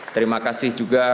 terima kasih juga